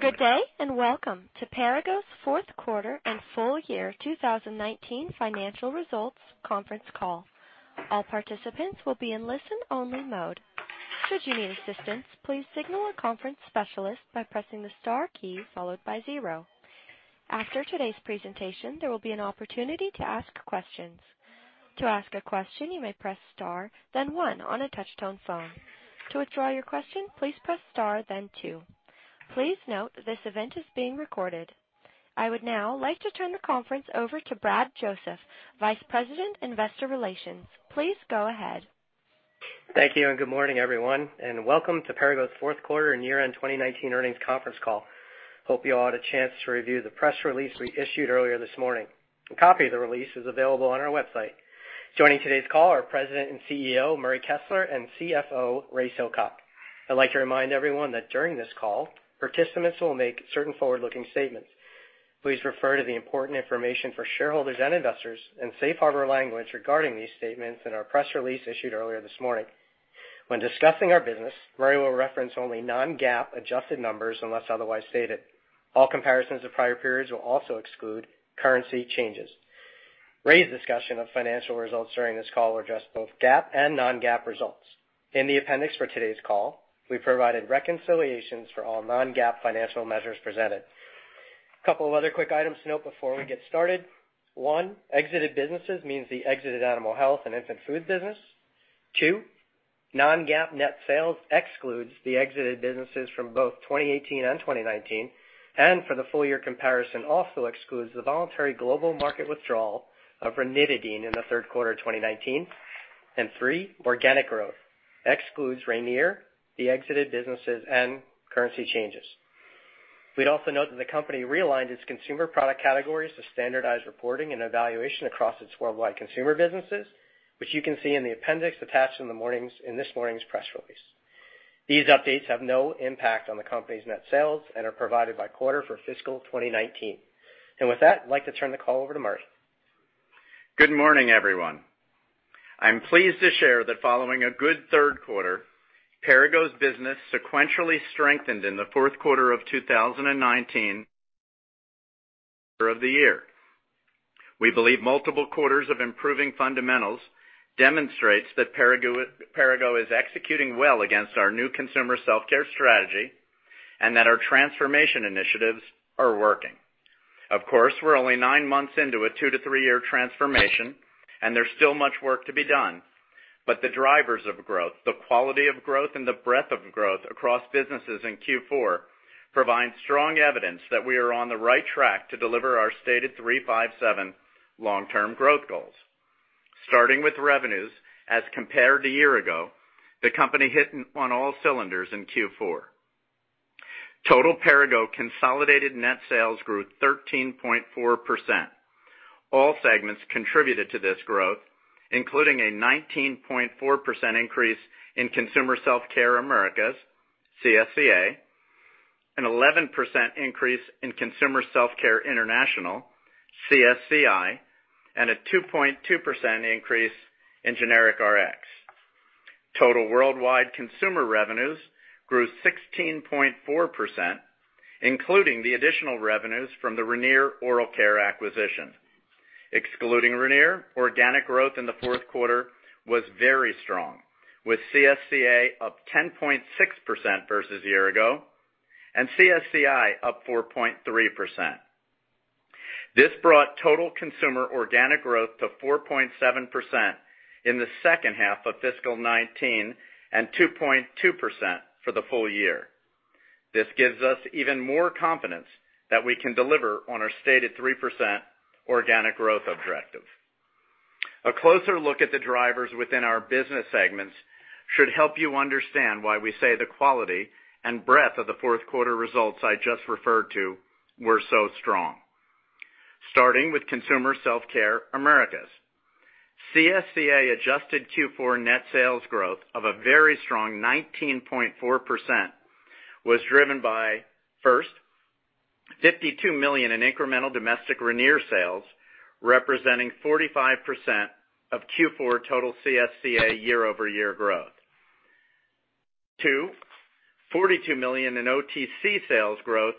Good day. Welcome to Perrigo's fourth quarter and full-year 2019 financial results conference call. All participants will be in listen-only mode. Should you need assistance, please signal a conference specialist by pressing the star key followed by zero. After today's presentation, there will be an opportunity to ask questions. To ask a question, you may press star then one on a touch-tone phone. To withdraw your question, please press star then two. Please note, this event is being recorded. I would now like to turn the conference over to Brad Joseph, Vice President, Investor Relations. Please go ahead. Thank you. Good morning, everyone, and welcome to Perrigo's fourth quarter and year-end 2019 earnings conference call. I hope you all had a chance to review the press release we issued earlier this morning. A copy of the release is available on our website. Joining today's call are President and CEO, Murray Kessler, and CFO, Ray Silcock. I'd like to remind everyone that during this call, participants will make certain forward-looking statements. Please refer to the important information for shareholders and investors and safe harbor language regarding these statements in our press release issued earlier this morning. When discussing our business, Murray will reference only non-GAAP adjusted numbers unless otherwise stated. All comparisons of prior periods will also exclude currency changes. Ray's discussion of financial results during this call will address both GAAP and non-GAAP results. In the appendix for today's call, we provided reconciliations for all non-GAAP financial measures presented. Couple of other quick items to note before we get started. One, exited businesses means the exited animal health and infant food business. Two, non-GAAP net sales excludes the exited businesses from both 2018 and 2019, and for the full-year comparison, also excludes the voluntary global market withdrawal of ranitidine in the third quarter of 2019. Three, organic growth excludes Ranir, the exited businesses, and currency changes. We'd also note that the company realigned its consumer product categories to standardize reporting and evaluation across its worldwide consumer businesses, which you can see in the appendix attached in this morning's press release. These updates have no impact on the company's net sales and are provided by quarter for fiscal 2019. With that, I'd like to turn the call over to Murray. Good morning, everyone. I'm pleased to share that following a good third quarter, Perrigo's business sequentially strengthened in the fourth quarter of 2019 of the year. We believe multiple quarters of improving fundamentals demonstrates that Perrigo is executing well against our new consumer self-care strategy, and that our transformation initiatives are working. Of course, we're only nine months into a two to three-year transformation, there's still much work to be done. The drivers of growth, the quality of growth, and the breadth of growth across businesses in Q4 provide strong evidence that we are on the right track to deliver our stated three, five, seven long-term growth goals. Starting with revenues, as compared to a year ago, the company hit on all cylinders in Q4. Total Perrigo consolidated net sales grew 13.4%. All segments contributed to this growth, including a 19.4% increase in Consumer Self-Care Americas, CSCA, an 11% increase in Consumer Self-Care International, CSCI, and a 2.2% increase in generic Rx. Total worldwide consumer revenues grew 16.4%, including the additional revenues from the Ranir Oral Care acquisition. Excluding Ranir, organic growth in the fourth quarter was very strong, with CSCA up 10.6% versus a year ago, and CSCI up 4.3%. This brought total consumer organic growth to 4.7% in the second half of fiscal 2019 and 2.2% for the full-year. This gives us even more confidence that we can deliver on our stated 3% organic growth objective. A closer look at the drivers within our business segments should help you understand why we say the quality and breadth of the fourth quarter results I just referred to were so strong. Starting with Consumer Self-Care Americas. CSCA adjusted Q4 net sales growth of a very strong 19.4% was driven by, first, $52 million in incremental domestic Ranir sales, representing 45% of Q4 total CSCA year-over-year growth. Two, $42 million in OTC sales growth,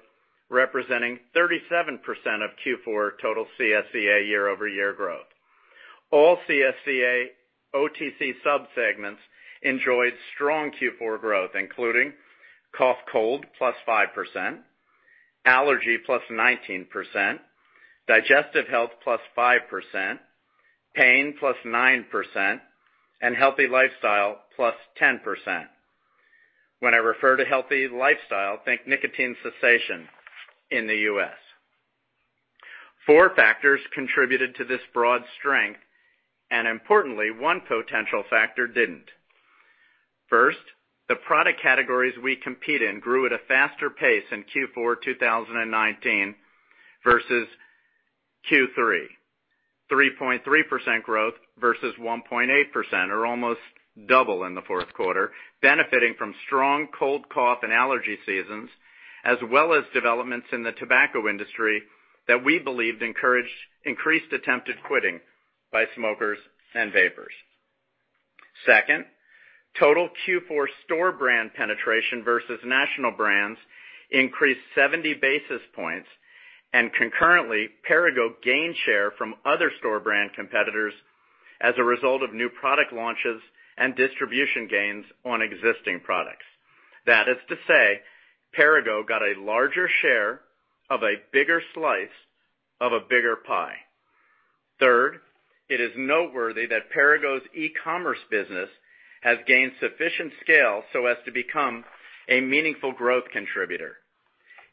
representing 37% of Q4 total CSCA year-over-year growth. All CSCA OTC subsegments enjoyed strong Q4 growth, including cough, cold, +5%, allergy, +19%, digestive health, +5%, pain, +9%, and healthy lifestyle, +10%. When I refer to healthy lifestyle, think nicotine cessation in the U.S. Four factors contributed to this broad strength, and importantly, one potential factor didn't. First, the product categories we compete in grew at a faster pace in Q4 2019 versus Q3. 3.3% growth versus 1.8%, or almost double in the fourth quarter, benefiting from strong cold, cough, and allergy seasons, as well as developments in the tobacco industry that we believed encouraged increased attempted quitting by smokers and vapers. Second, total Q4 store brand penetration versus national brands increased 70 basis points, and concurrently, Perrigo gained share from other store brand competitors as a result of new product launches and distribution gains on existing products. That is to say, Perrigo got a larger share of a bigger slice of a bigger pie. Third, it is noteworthy that Perrigo's e-commerce business has gained sufficient scale so as to become a meaningful growth contributor.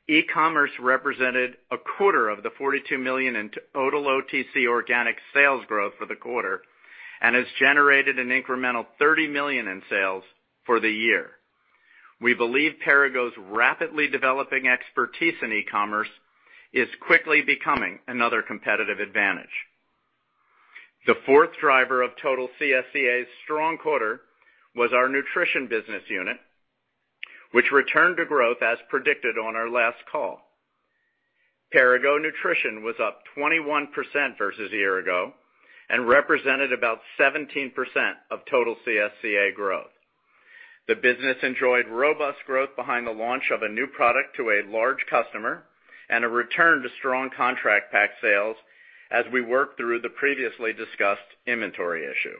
E-commerce represented a quarter of the $42 million in total OTC organic sales growth for the quarter and has generated an incremental $30 million in sales for the year. We believe Perrigo's rapidly developing expertise in e-commerce is quickly becoming another competitive advantage. The fourth driver of total CSCA's strong quarter was our nutrition business unit, which returned to growth as predicted on our last call. Perrigo Nutrition was up 21% versus a year ago and represented about 17% of total CSCA growth. The business enjoyed robust growth behind the launch of a new product to a large customer and a return to strong contract pack sales as we work through the previously discussed inventory issue.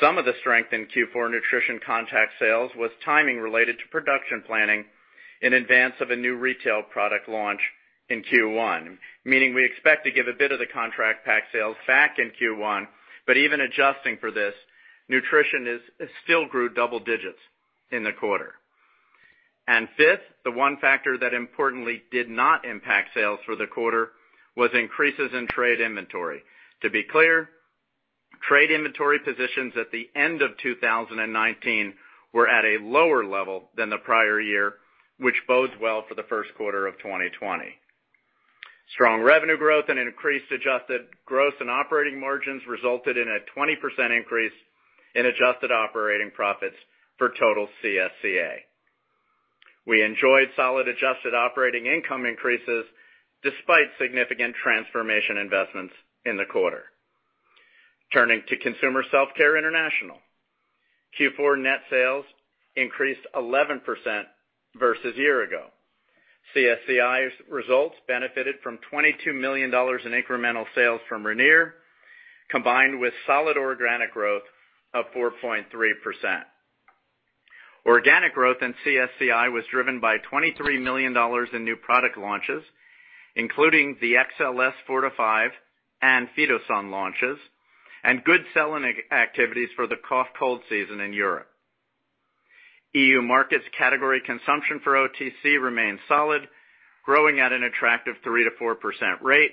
Some of the strength in Q4 nutrition contact sales was timing related to production planning in advance of a new retail product launch in Q1. We expect to give a bit of the contract pack sales back in Q1, but even adjusting for this, nutrition still grew double digits in the quarter. Fifth, the one factor that importantly did not impact sales for the quarter was increases in trade inventory. To be clear, trade inventory positions at the end of 2019 were at a lower level than the prior year, which bodes well for the first quarter of 2020. Strong revenue growth and increased adjusted gross and operating margins resulted in a 20% increase in adjusted operating profits for total CSCA. We enjoyed solid adjusted operating income increases despite significant transformation investments in the quarter. Turning to Consumer Self-Care International. Q4 net sales increased 11% versus a year ago. CSCI's results benefited from $22 million in incremental sales from Ranir, combined with solid organic growth of 4.3%. Organic growth in CSCI was driven by $23 million in new product launches, including the XLS-Medical Forte 5 and Phytosun launches, and good selling activities for the cough-cold season in Europe. EU markets category consumption for OTC remained solid, growing at an attractive 3% to 4% rate,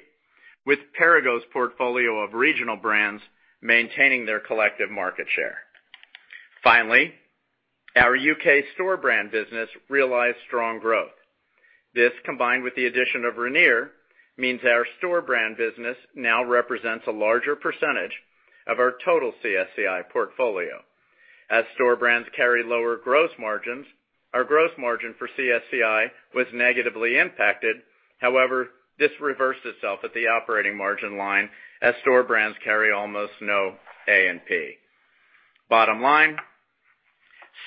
with Perrigo's portfolio of regional brands maintaining their collective market share. Finally, our U.K. store brand business realized strong growth. This, combined with the addition of Ranir, means our store brand business now represents a larger percentage of our total CSCI portfolio. As store brands carry lower gross margins, our gross margin for CSCI was negatively impacted. However, this reversed itself at the operating margin line as store brands carry almost no A&P. Bottom line,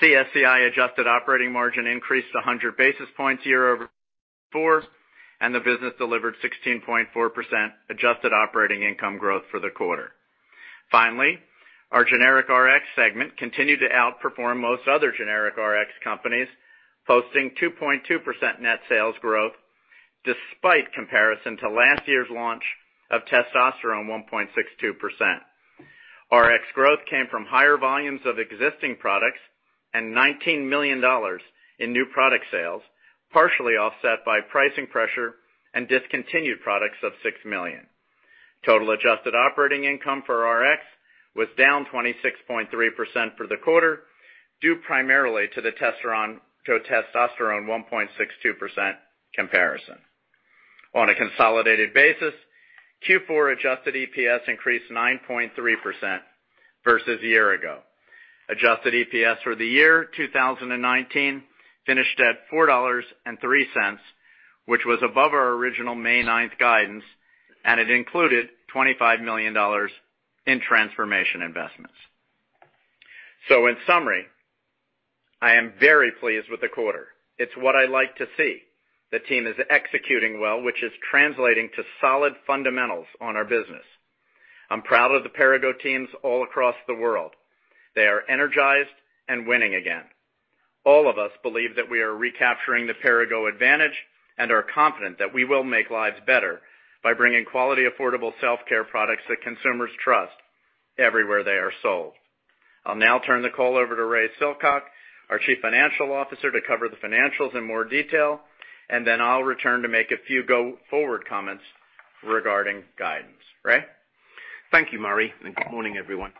CSCI adjusted operating margin increased 100 basis points year-over-year, and the business delivered 16.4% adjusted operating income growth for the quarter. Finally, our generic Rx segment continued to outperform most other generic Rx companies, posting 2.2% net sales growth despite comparison to last year's launch of testosterone 1.62%. Rx growth came from higher volumes of existing products and $19 million in new product sales, partially offset by pricing pressure and discontinued products of $6 million. Total adjusted operating income for Rx was down 26.3% for the quarter, due primarily to the testosterone 1.62% comparison. On a consolidated basis, Q4 adjusted EPS increased 9.3% versus a year ago. Adjusted EPS for the year 2019 finished at $4.03, which was above our original May 9th guidance, and it included $25 million in transformation investments. In summary, I am very pleased with the quarter. It's what I like to see. The team is executing well, which is translating to solid fundamentals on our business. I'm proud of the Perrigo teams all across the world. They are energized and winning again. All of us believe that we are recapturing the Perrigo advantage and are confident that we will make lives better by bringing quality, affordable self-care products that consumers trust everywhere they are sold. I'll now turn the call over to Ray Silcock, our Chief Financial Officer, to cover the financials in more detail, and then I'll return to make a few go-forward comments regarding guidance. Ray? Thank you, Murray, and good morning, everyone.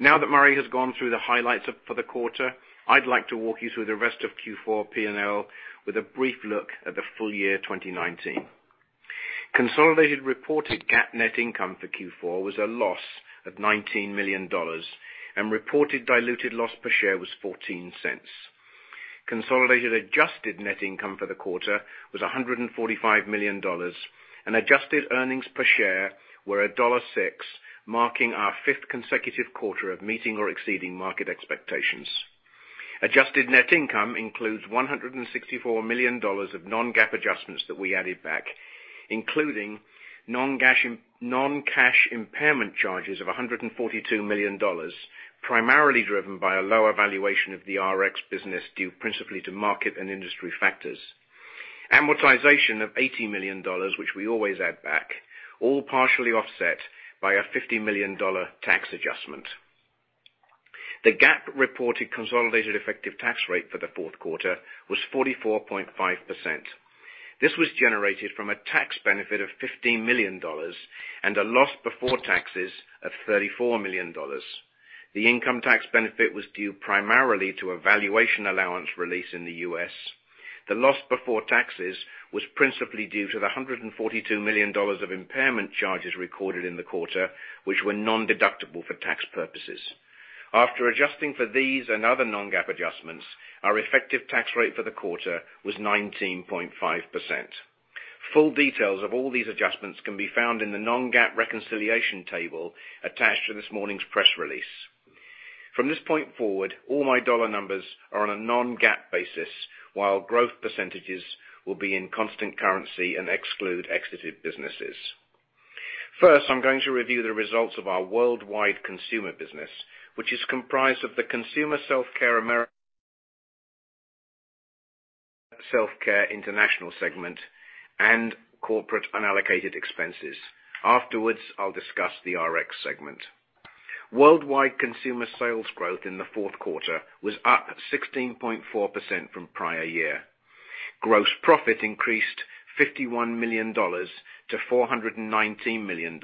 Now that Murray has gone through the highlights for the quarter, I'd like to walk you through the rest of Q4 P&L with a brief look at the full-year 2019. Consolidated reported GAAP net income for Q4 was a loss of $19 million, and reported diluted loss per share was $0.14. Consolidated adjusted net income for the quarter was $145 million, and adjusted earnings per share were $1.06, marking our fifth consecutive quarter of meeting or exceeding market expectations. Adjusted net income includes $164 million of non-GAAP adjustments that we added back, including non-cash impairment charges of $142 million, primarily driven by a lower valuation of the Rx business due principally to market and industry factors, amortization of $80 million, which we always add back, all partially offset by a $50 million tax adjustment. The GAAP reported consolidated effective tax rate for the fourth quarter was 44.5%. This was generated from a tax benefit of $15 million and a loss before taxes of $34 million. The income tax benefit was due primarily to a valuation allowance release in the U.S. The loss before taxes was principally due to the $142 million of impairment charges recorded in the quarter, which were nondeductible for tax purposes. After adjusting for these and other non-GAAP adjustments, our effective tax rate for the quarter was 19.5%. Full details of all these adjustments can be found in the non-GAAP reconciliation table attached to this morning's press release. From this point forward, all my dollar numbers are on a non-GAAP basis, while growth percentages will be in constant currency and exclude exited businesses. First, I'm going to review the results of our worldwide consumer business, which is comprised of the Consumer Self-Care Americas, Self-Care International segment, and corporate unallocated expenses. Afterwards, I'll discuss the Rx segment. Worldwide consumer sales growth in the fourth quarter was up 16.4% from prior year. Gross profit increased $51 million-$419 million,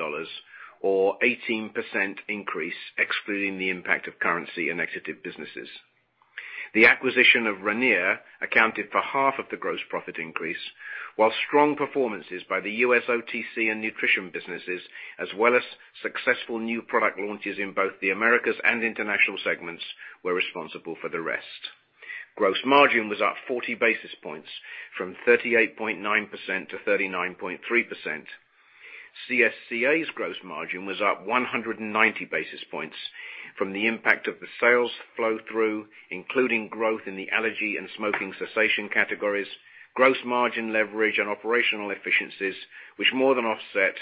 or 18% increase, excluding the impact of currency and exited businesses. The acquisition of Ranir accounted for half of the gross profit increase, while strong performances by the U.S. OTC and nutrition businesses, as well as successful new product launches in both the Americas and international segments, were responsible for the rest. Gross margin was up 40 basis points from 38.9%-39.3%. CSCA's gross margin was up 190 basis points from the impact of the sales flow-through, including growth in the allergy and smoking cessation categories, gross margin leverage and operational efficiencies, which more than offset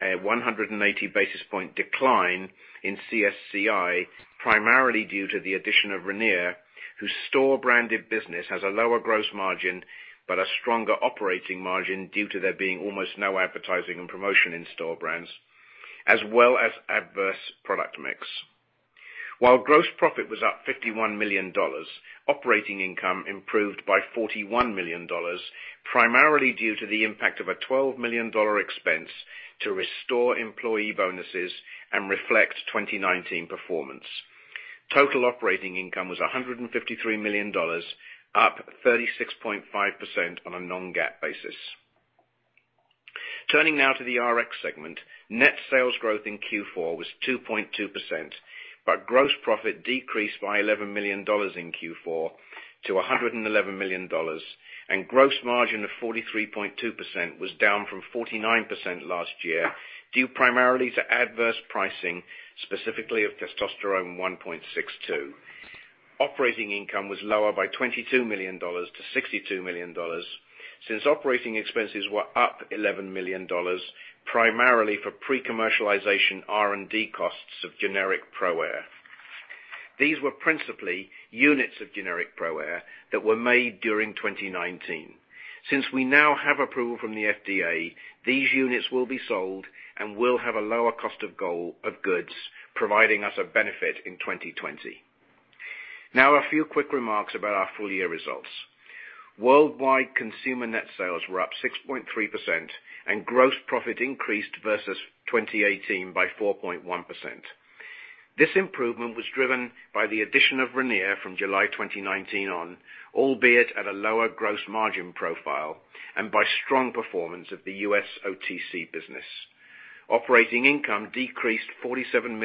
a 180 basis point decline in CSCI, primarily due to the addition of Ranir, whose store branded business has a lower gross margin, but a stronger operating margin due to there being almost no advertising and promotion in store brands, as well as adverse product mix. While gross profit was up $51 million, operating income improved by $41 million, primarily due to the impact of a $12 million expense to restore employee bonuses and reflect 2019 performance. Total operating income was $153 million, up 36.5% on a non-GAAP basis. Turning now to the Rx segment. Net sales growth in Q4 was 2.2%, but gross profit decreased by $11 million in Q4 to $111 million, and gross margin of 43.2% was down from 49% last year, due primarily to adverse pricing, specifically of testosterone 1.62%. Operating income was lower by $22 million-$62 million. Operating expenses were up $11 million, primarily for pre-commercialization R&D costs of generic ProAir. These were principally units of generic ProAir that were made during 2019. We now have approval from the FDA, these units will be sold and will have a lower cost of goods, providing us a benefit in 2020. A few quick remarks about our full-year results. Worldwide consumer net sales were up 6.3% and gross profit increased versus 2018 by 4.1%. This improvement was driven by the addition of Ranir from July 2019 on, albeit at a lower gross margin profile, and by strong performance of the U.S. OTC business. Operating income decreased $47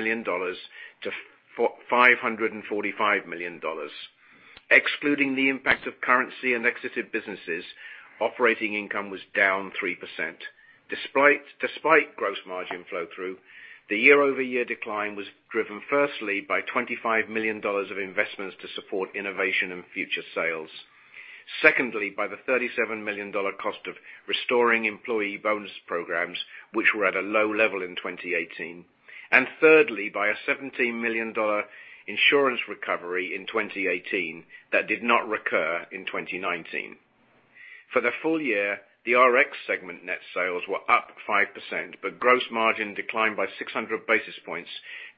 million-$545 million. Excluding the impact of currency and exited businesses, operating income was down 3%. Despite gross margin flow-through, the year-over-year decline was driven firstly by $25 million of investments to support innovation and future sales. Secondly, by the $37 million cost of restoring employee bonus programs, which were at a low level in 2018. Thirdly, by a $17 million insurance recovery in 2018 that did not recur in 2019. For the full-year, the Rx segment net sales were up 5%, but gross margin declined by 600 basis points,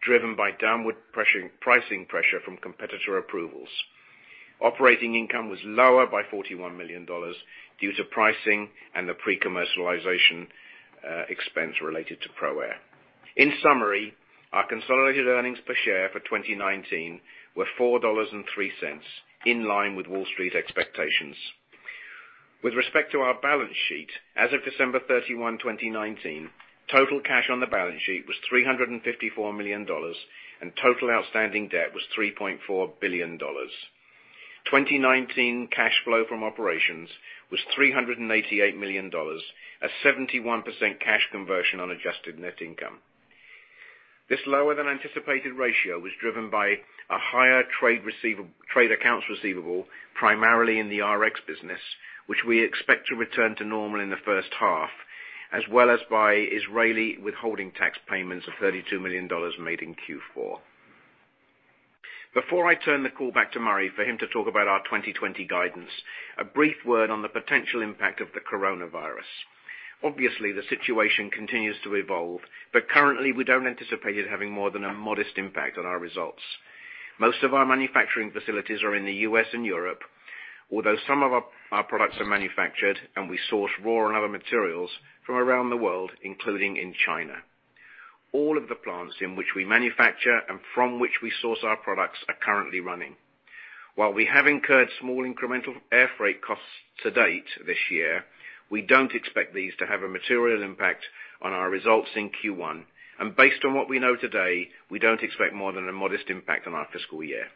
driven by downward pricing pressure from competitor approvals. Operating income was lower by $41 million due to pricing and the pre-commercialization expense related to ProAir. In summary, our consolidated earnings per share for 2019 were $4.03, in line with Wall Street expectations. With respect to our balance sheet, as of December 31, 2019, total cash on the balance sheet was $354 million, and total outstanding debt was $3.4 billion. 2019 cash flow from operations was $388 million, a 71% cash conversion on adjusted net income. This lower-than-anticipated ratio was driven by a higher trade accounts receivable, primarily in the Rx business, which we expect to return to normal in the first half, as well as by Israeli withholding tax payments of $32 million made in Q4. Before I turn the call back to Murray for him to talk about our 2020 guidance, a brief word on the potential impact of the coronavirus. Obviously, the situation continues to evolve, but currently, we don't anticipate it having more than a modest impact on our results. Most of our manufacturing facilities are in the U.S. and Europe, although some of our products are manufactured, and we source raw and other materials from around the world, including in China. All of the plants in which we manufacture and from which we source our products are currently running. While we have incurred small incremental air freight costs to date this year, we don't expect these to have a material impact on our results in Q1. Based on what we know today, we don't expect more than a modest impact on our fiscal year.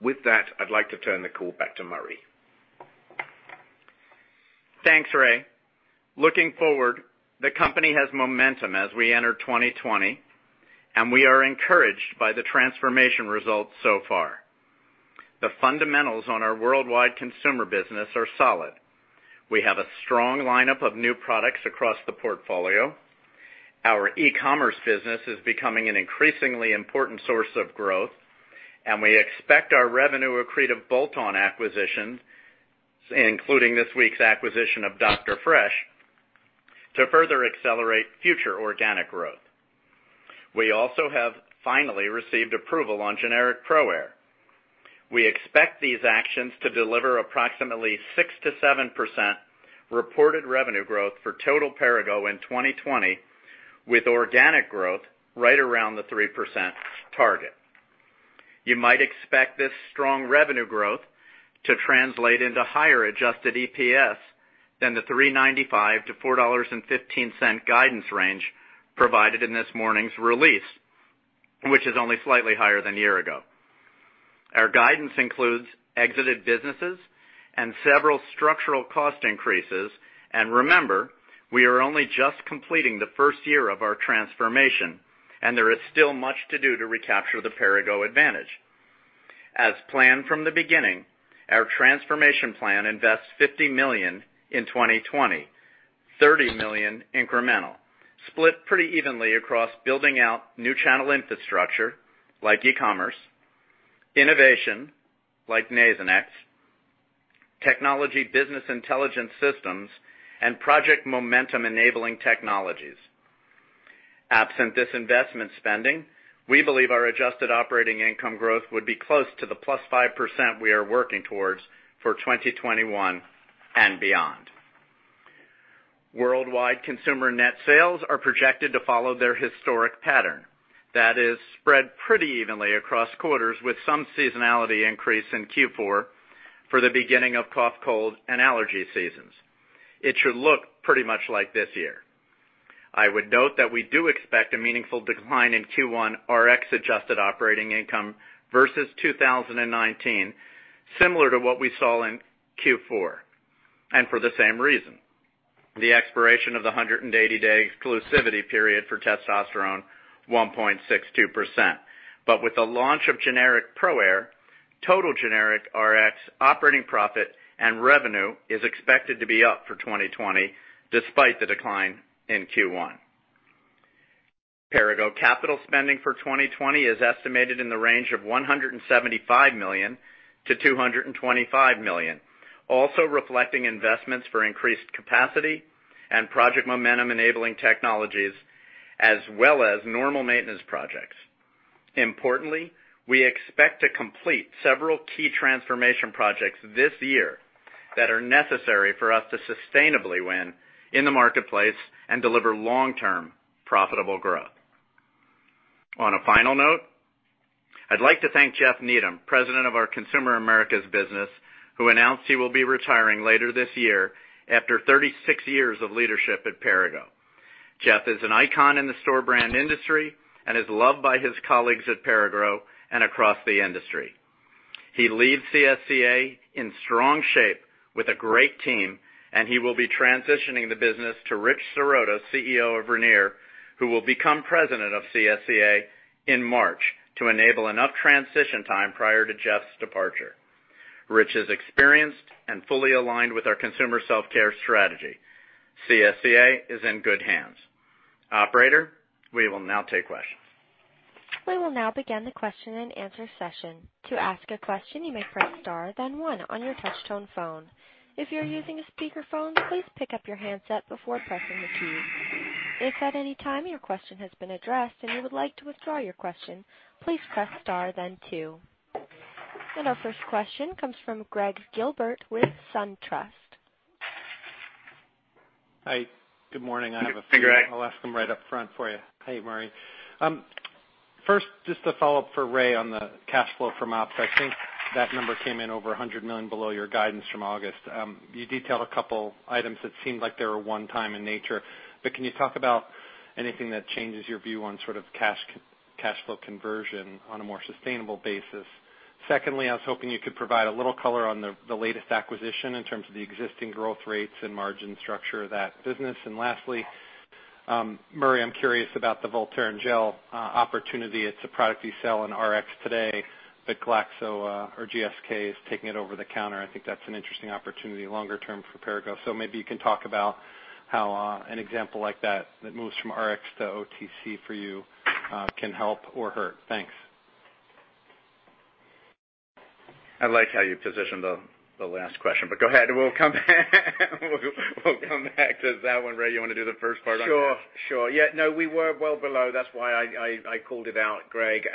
With that, I'd like to turn the call back to Murray. Thanks, Ray. Looking forward, the company has momentum as we enter 2020, and we are encouraged by the transformation results so far. The fundamentals on our worldwide consumer business are solid. We have a strong lineup of new products across the portfolio. Our e-commerce business is becoming an increasingly important source of growth, and we expect our revenue-accretive bolt-on acquisitions, including this week's acquisition of Dr. Fresh, to further accelerate future organic growth. We also have finally received approval on generic ProAir. We expect these actions to deliver approximately 6%-7% reported revenue growth for total Perrigo in 2020, with organic growth right around the 3% target. You might expect this strong revenue growth to translate into higher adjusted EPS than the $3.95-$4.15 guidance range provided in this morning's release, which is only slightly higher than a year ago. Our guidance includes exited businesses and several structural cost increases. Remember, we are only just completing the first year of our transformation, and there is still much to do to recapture the Perrigo Advantage. As planned from the beginning, our transformation plan invests $50 million in 2020, $30 million incremental, split pretty evenly across building out new channel infrastructure like e-commerce, innovation like Nasonex, technology business intelligence systems, and Project Momentum-enabling technologies. Absent this investment spending, we believe our adjusted operating income growth would be close to the plus 5% we are working towards for 2021 and beyond. Worldwide consumer net sales are projected to follow their historic pattern. That is spread pretty evenly across quarters, with some seasonality increase in Q4 for the beginning of cough, cold, and allergy seasons. It should look pretty much like this year. I would note that we do expect a meaningful decline in Q1 Rx adjusted operating income versus 2019, similar to what we saw in Q4, and for the same reason. The expiration of the 180-day exclusivity period for testosterone 1.62%. With the launch of generic ProAir, total generic Rx operating profit and revenue is expected to be up for 2020, despite the decline in Q1. Perrigo capital spending for 2020 is estimated in the range of $175 million-$225 million, also reflecting investments for increased capacity and Project Momentum-enabling technologies, as well as normal maintenance projects. Importantly, we expect to complete several key transformation projects this year that are necessary for us to sustainably win in the marketplace and deliver long-term profitable growth. On a final note, I'd like to thank Jeff Needham, President of our Consumer Americas Business, who announced he will be retiring later this year after 36 years of leadership at Perrigo. Jeff is an icon in the store brand industry and is loved by his colleagues at Perrigo and across the industry. He leaves CSCA in strong shape with a great team, and he will be transitioning the business to Rich Sortoa, CEO of Ranir, who will become President of CSCA in March to enable enough transition time prior to Jeff's departure. Rich is experienced and fully aligned with our consumer self-care strategy. CSCA is in good hands. Operator, we will now take questions. We will now begin the question and answer session. To ask a question, you may press star, then one on your touch-tone phone. If you're using a speakerphone, please pick up your handset before pressing the key. If at any time your question has been addressed and you would like to withdraw your question, please press star then two. Our first question comes from Gregg Gilbert with SunTrust. Hi, good morning. Hey, Gregg. I'll ask them right up front for you. Hey, Murray. Just to follow up for Ray on the cash flow from ops. I think that number came in over $100 million below your guidance from August. You detailed a couple items that seemed like they were one-time in nature, can you talk about anything that changes your view on sort of cash flow conversion on a more sustainable basis? I was hoping you could provide a little color on the latest acquisition in terms of the existing growth rates and margin structure of that business. Lastly, Murray, I'm curious about the Voltaren Gel opportunity. It's a product you sell in Rx today, Glaxo or GSK is taking it OTC. I think that's an interesting opportunity longer term for Perrigo. Maybe you can talk about how an example like that moves from Rx to OTC for you, can help or hurt. Thanks. I like how you positioned the last question, but go ahead. We'll come back to that one. Ray, you want to do the first part on that? Sure. Yeah, no, we were well below. That's why I called it out, Gregg.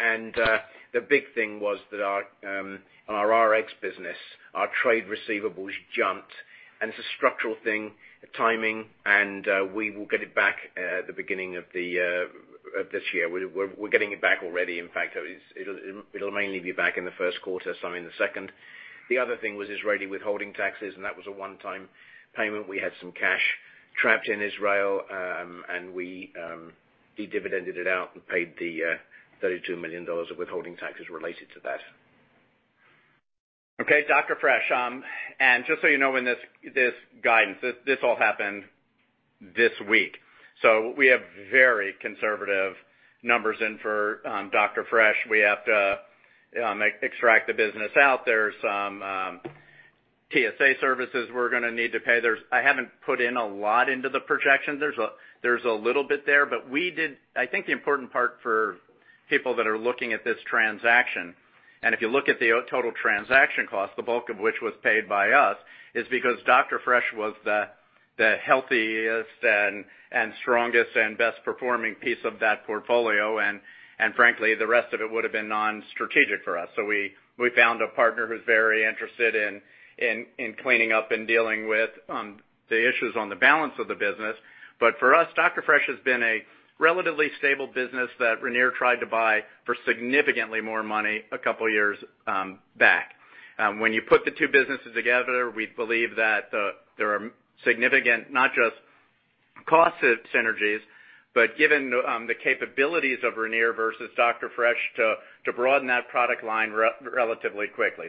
The big thing was that on our Rx business, our trade receivables jumped, and it's a structural thing, timing, and we will get it back at the beginning of this year. We're getting it back already, in fact. It'll mainly be back in the first quarter, some in the second. The other thing was Israeli withholding taxes, and that was a one-time payment. We had some cash trapped in Israel, and we de-dividended it out and paid the $32 million of withholding taxes related to that. Dr. Fresh. Just so you know, in this guidance, this all happened this week. We have very conservative numbers in for Dr. Fresh. We have to extract the business out. There's some TSA services we're gonna need to pay. I haven't put in a lot into the projection. There's a little bit there, but I think the important part for people that are looking at this transaction, and if you look at the total transaction cost, the bulk of which was paid by us, is because Dr. Fresh was the healthiest and strongest and best performing piece of that portfolio, and frankly, the rest of it would've been non-strategic for us. We found a partner who's very interested in cleaning up and dealing with the issues on the balance of the business. For us, Dr. Fresh has been a relatively stable business that Ranir tried to buy for significantly more money a couple of years back. When you put the two businesses together, we believe that there are significant, not just cost synergies, but given the capabilities of Ranir versus Dr. Fresh to broaden that product line relatively quickly.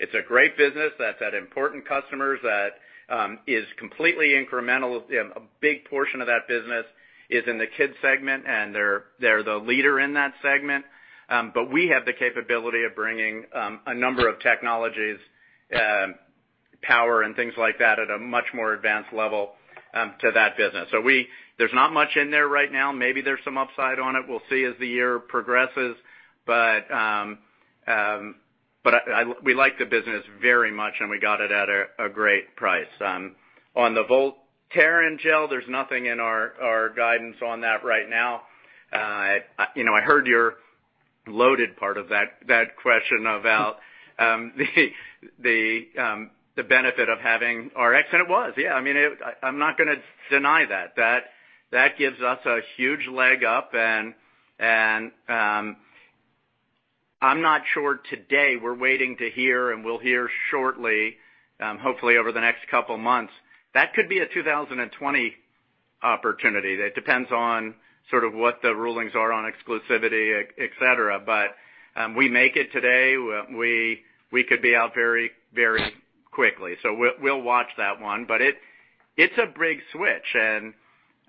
It's a great business that's at important customers, that is completely incremental. A big portion of that business is in the kids segment, and they're the leader in that segment. We have the capability of bringing a number of technologies, power, and things like that at a much more advanced level to that business. There's not much in there right now. Maybe there's some upside on it. We'll see as the year progresses. We like the business very much, and we got it at a great price. On the Voltaren Gel, there's nothing in our guidance on that right now. I heard your loaded part of that question about the benefit of having Rx. It was. Yeah, I'm not gonna deny that. That gives us a huge leg up, and I'm not sure today. We're waiting to hear, and we'll hear shortly, hopefully over the next couple of months. That could be a 2020 opportunity. That depends on sort of what the rulings are on exclusivity, et cetera. We make it today, we could be out very quickly. We'll watch that one. It's a big switch, and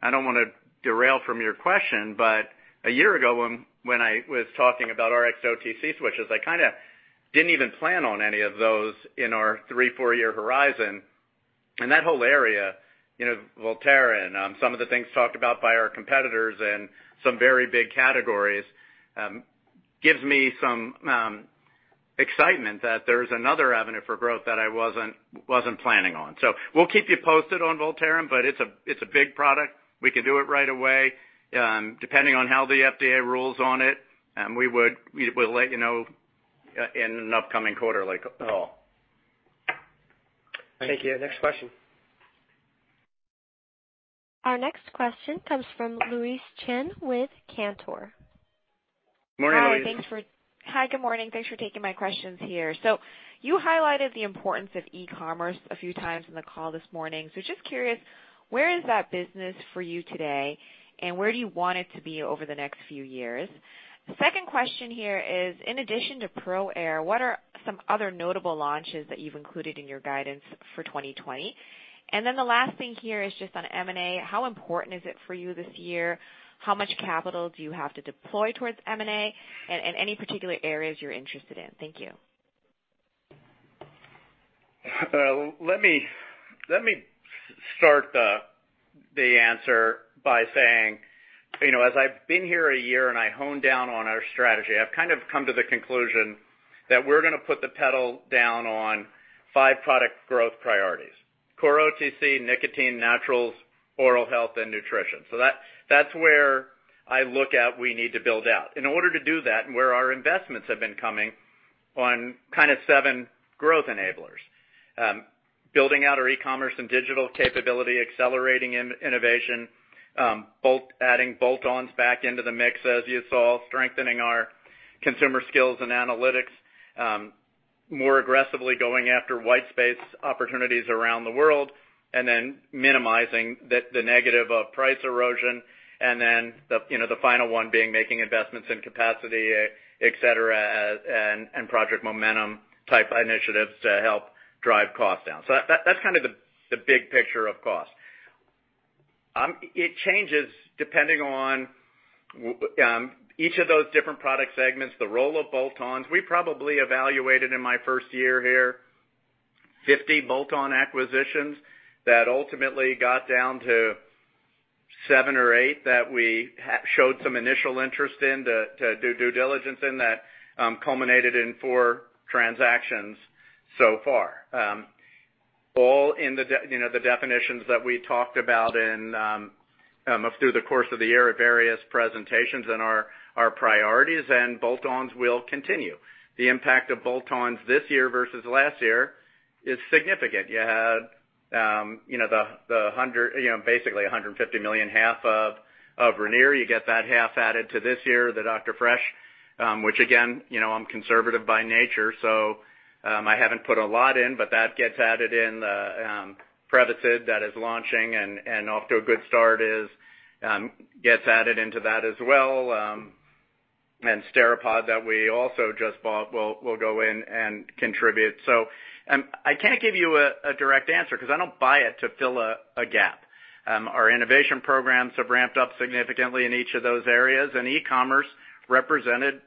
I don't want to derail from your question, but a year ago, when I was talking about Rx OTC switches, I kind of didn't even plan on any of those in our three, four-year horizon. That whole area, Voltaren, some of the things talked about by our competitors and some very big categories, gives me some excitement that there's another avenue for growth that I wasn't planning on. We'll keep you posted on Voltaren, but it's a big product. We can do it right away. Depending on how the FDA rules on it, we'll let you know in an upcoming quarter like at all. Thank you. Next question. Our next question comes from Louise Chen with Cantor. Morning, Louise. Hi, good morning. Thanks for taking my questions here. You highlighted the importance of e-commerce a few times in the call this morning. Just curious, where is that business for you today, and where do you want it to be over the next few years? The second question here is, in addition to ProAir, what are some other notable launches that you've included in your guidance for 2020? The last thing here is just on M&A. How important is it for you this year? How much capital do you have to deploy towards M&A? Any particular areas you're interested in? Thank you. Let me start the answer by saying, as I've been here a year and I hone down on our strategy, I've kind of come to the conclusion that we're gonna put the pedal down on five product growth priorities. Core OTC, nicotine, naturals, oral health, and nutrition. That's where I look at we need to build out. In order to do that, and where our investments have been coming on kind of seven growth enablers. Building out our e-commerce and digital capability, accelerating innovation, adding bolt-ons back into the mix as you saw, strengthening our consumer skills and analytics, more aggressively going after white space opportunities around the world, minimizing the negative of price erosion, and the final one being making investments in capacity, et cetera, and Project Momentum type initiatives to help drive costs down. That's kind of the big picture of cost. It changes depending on each of those different product segments, the role of bolt-ons. We probably evaluated, in my first year here, 50 bolt-on acquisitions that ultimately got down to seven or eight that we showed some initial interest in to do due diligence in, that culminated in four transactions so far. All in the definitions that we talked about through the course of the year at various presentations and our priorities. Bolt-ons will continue. The impact of bolt-ons this year versus last year is significant. You had basically $150 million half of Ranir. You get that half added to this year, the Dr. Fresh, which again, I'm conservative by nature, so I haven't put a lot in. That gets added in the Prevacid that is launching and off to a good start, gets added into that as well. SteriPod that we also just bought will go in and contribute. I can't give you a direct answer because I don't buy it to fill a gap. Our innovation programs have ramped up significantly in each of those areas, and e-commerce represented.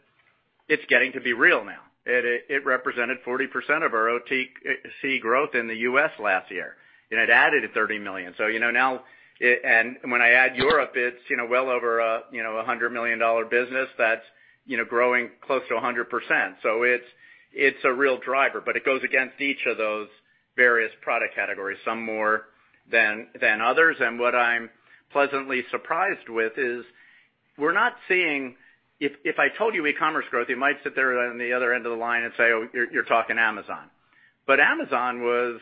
It's getting to be real now. It represented 40% of our OTC growth in the U.S. last year, and it added a $30 million. When I add Europe, it's well over a $100 million business that's growing close to 100%. It's a real driver. It goes against each of those various product categories, some more than others. What I'm pleasantly surprised with is we're not seeing. If I told you e-commerce growth, you might sit there on the other end of the line and say, "Oh, you're talking Amazon." Amazon was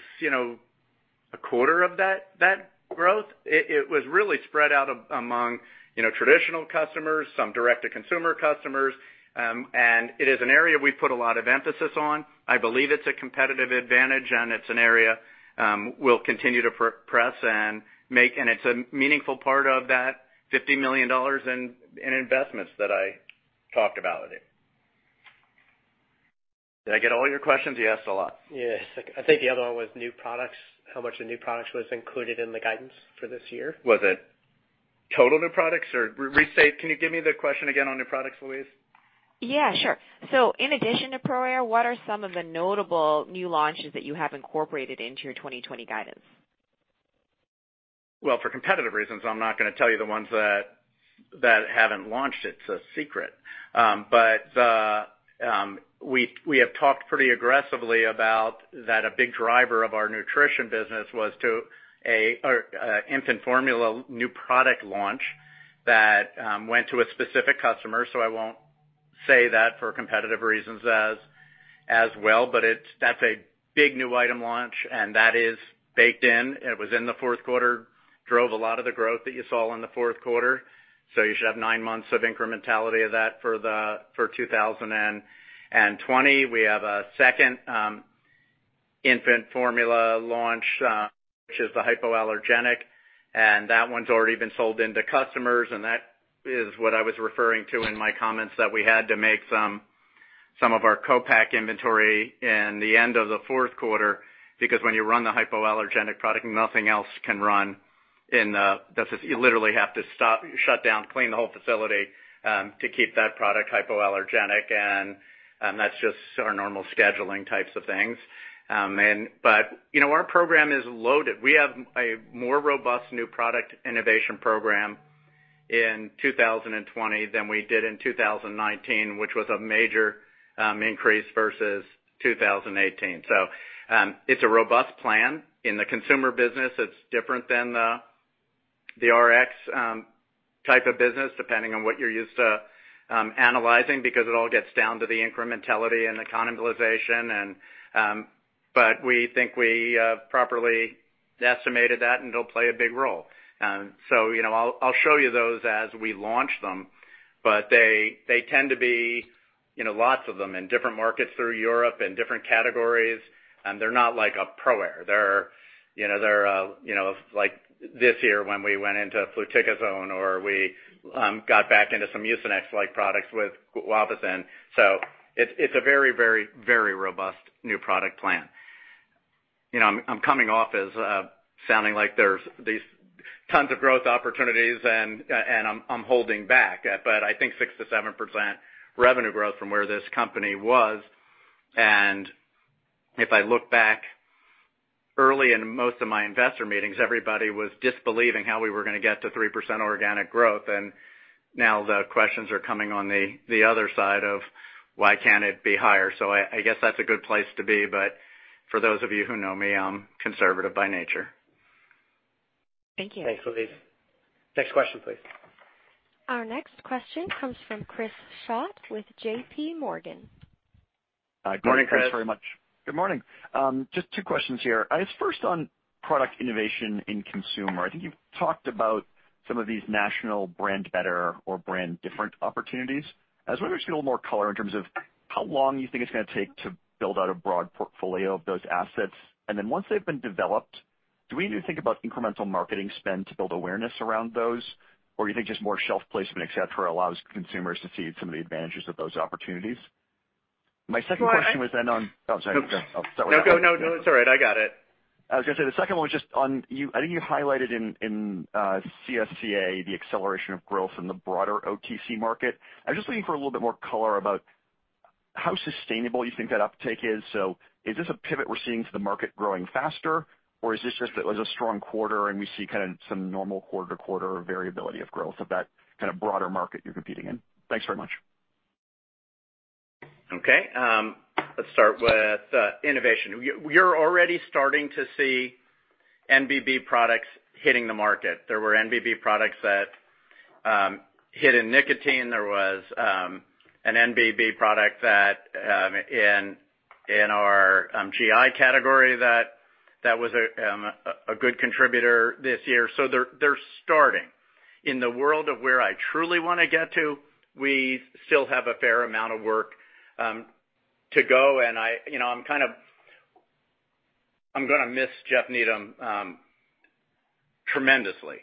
a quarter of that growth. It was really spread out among traditional customers, some direct-to-consumer customers. It is an area we put a lot of emphasis on. I believe it's a competitive advantage, and it's an area we'll continue to press and make, and it's a meaningful part of that $50 million in investments that I talked about. Did I get all your questions? You asked a lot. Yes. I think the other one was new products, how much the new products was included in the guidance for this year. Was it total new products or restate? Can you give me the question again on new products, Louise? Yeah, sure. In addition to ProAir, what are some of the notable new launches that you have incorporated into your 2020 guidance? Well, for competitive reasons, I'm not going to tell you the ones that haven't launched. It's a secret. We have talked pretty aggressively about that a big driver of our nutrition business was to infant formula new product launch that went to a specific customer. I won't say that for competitive reasons as well. That's a big new item launch, and that is baked in. It was in the fourth quarter, drove a lot of the growth that you saw in the fourth quarter. You should have nine months of incrementality of that for 2020. We have a second infant formula launch, which is the hypoallergenic. That one's already been sold into customers. That is what I was referring to in my comments that we had to make some of our co-pack inventory in the end of the fourth quarter, because when you run the hypoallergenic product, nothing else can run. You literally have to stop, shut down, clean the whole facility, to keep that product hypoallergenic. That's just our normal scheduling types of things. Our program is loaded. We have a more robust new product innovation program in 2020 than we did in 2019, which was a major increase versus 2018. It's a robust plan. In the consumer business, it's different than the Rx type of business, depending on what you're used to analyzing, because it all gets down to the incrementality and economization. We think we properly estimated that, and it'll play a big role. I'll show you those as we launch them, but they tend to be lots of them in different markets through Europe, in different categories, and they're not like a ProAir. Like this year when we went into fluticasone or we got back into some Mucinex-like products with guaifenesin. It's a very robust new product plan. I'm coming off as sounding like there's these tons of growth opportunities and I'm holding back. I think 6%-7% revenue growth from where this company was, and if I look back early in most of my investor meetings, everybody was disbelieving how we were going to get to 3% organic growth. Now the questions are coming on the other side of why can't it be higher? I guess that's a good place to be. For those of you who know me, I'm conservative by nature. Thank you. Thanks, Louise. Next question, please. Our next question comes from Chris Schott with JPMorgan. Morning, Chris. Good morning, thanks very much. Good morning. Just two questions here. I guess first on product innovation in consumer. I think you've talked about some of these NBB or brand different opportunities. I was wondering if you could a little more color in terms of how long you think it's going to take to build out a broad portfolio of those assets. Once they've been developed, do we need to think about incremental marketing spend to build awareness around those? Or you think just more shelf placement, et cetera, allows consumers to see some of the advantages of those opportunities? My second question was then on-- Oh, sorry. No, it's all right. I got it. I was gonna say, the second one was just on, I think you highlighted in CSCA, the acceleration of growth in the broader OTC market. I was just looking for a little bit more color about how sustainable you think that uptake is. Is this a pivot we're seeing to the market growing faster? Is this just, it was a strong quarter and we see kind of some normal quarter-to-quarter variability of growth of that kind of broader market you're competing in? Thanks very much. Let's start with innovation. We're already starting to see NBB products hitting the market. There were NBB products that hit in nicotine. There was an NBB product in our GI category that was a good contributor this year. They're starting. In the world of where I truly want to get to, we still have a fair amount of work to go. I'm going to miss Jeff Needham tremendously.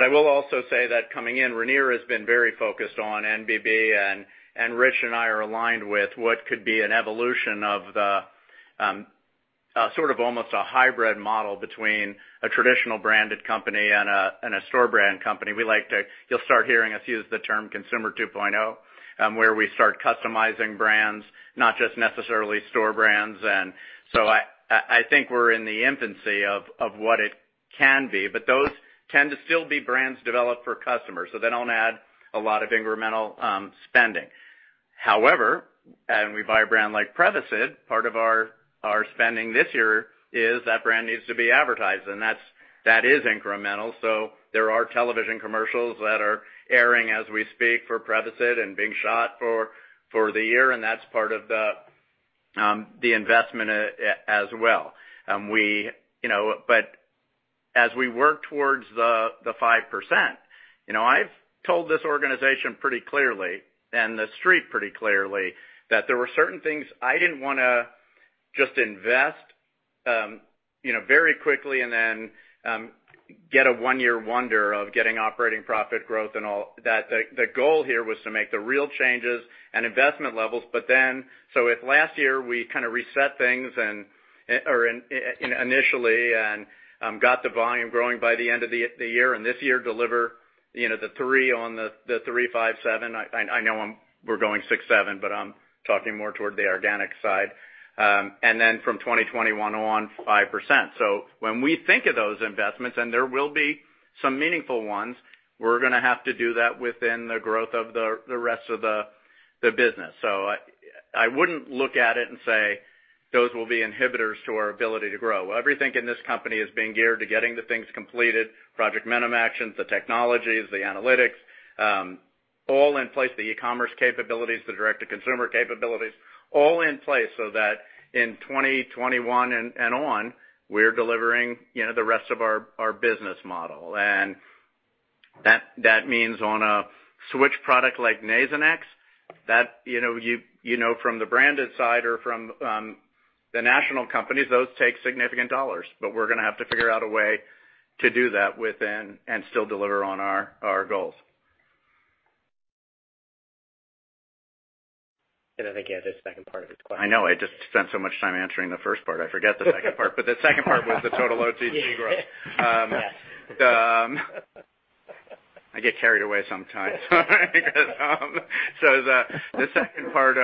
I will also say that coming in, Ranir has been very focused on NBB, and Rich and I are aligned with what could be an evolution of the sort of almost a hybrid model between a traditional branded company and a store brand company. You'll start hearing us use the term consumer 2.0, where we start customizing brands, not just necessarily store brands. I think we're in the infancy of what it can be, but those tend to still be brands developed for customers. They don't add a lot of incremental spending. However, we buy a brand like Prevacid, part of our spending this year is that brand needs to be advertised and that is incremental. There are television commercials that are airing as we speak for Prevacid and being shot for the year and that's part of the investment as well. As we work towards the 5%, I've told this organization pretty clearly and the street pretty clearly that there were certain things I didn't want to just invest very quickly and then get a one-year wonder of getting operating profit growth and all. The goal here was to make the real changes and investment levels. If last year we kind of reset things initially and got the volume growing by the end of the year, this year deliver the three on the three, five, seven. I know we're going six. Six, seven, but I'm talking more toward the organic side. From 2021 on, 5%. When we think of those investments, and there will be some meaningful ones, we're going to have to do that within the growth of the rest of the business. I wouldn't look at it and say those will be inhibitors to our ability to grow. Everything in this company is being geared to getting the things completed, Project Momentum, the technologies, the analytics, all in place, the e-commerce capabilities, the direct to consumer capabilities, all in place so that in 2021 and on, we're delivering the rest of our business model. That means on a switch product like Nasonex, from the branded side or from the national companies, those take significant dollars, but we're gonna have to figure out a way to do that within and still deliver on our goals. I think he had the second part of his question. I know. I just spent so much time answering the first part, I forget the second part. The second part was the total OTC growth. Yeah. I get carried away sometimes. The second part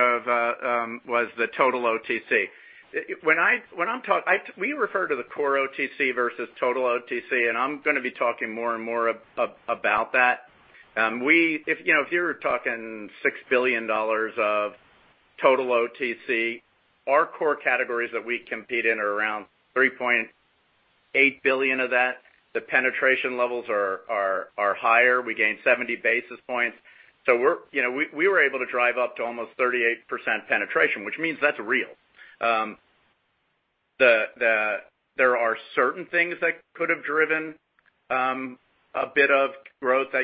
was the total OTC. We refer to the core OTC versus total OTC, and I'm going to be talking more and more about that. If you're talking $6 billion of total OTC, our core categories that we compete in are around $3.8 billion of that. The penetration levels are higher. We gained 70 basis points. We were able to drive up to almost 38% penetration, which means that's real. There are certain things that could have driven a bit of growth that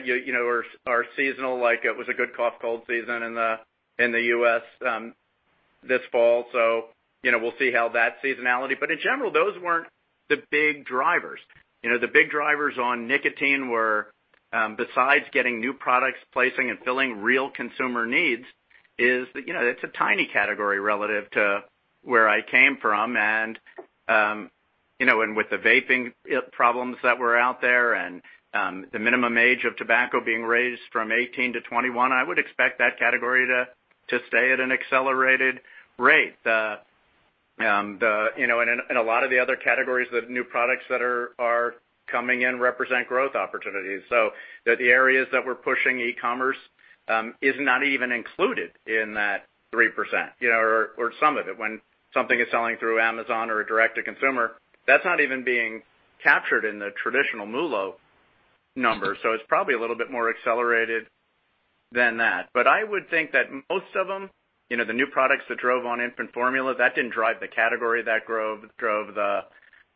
are seasonal, like it was a good cough cold season in the U.S. this fall. We'll see how that seasonality. In general, those weren't the big drivers. The big drivers on nicotine were, besides getting new products, placing and filling real consumer needs is, it's a tiny category relative to where I came from. With the vaping problems that were out there and the minimum age of tobacco being raised from 18-21, I would expect that category to stay at an accelerated rate. A lot of the other categories, the new products that are coming in represent growth opportunities. The areas that we're pushing e-commerce is not even included in that 3%, or some of it. When something is selling through Amazon or direct to consumer, that's not even being captured in the traditional MULO number. It's probably a little bit more accelerated than that. I would think that most of them, the new products that drove on infant formula, that didn't drive the category. That drove